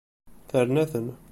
Terna-ten.